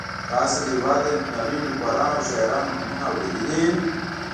تاسو د هېواد له نومیالیو لیکوالو او شاعرانو نومونه اورېدلي.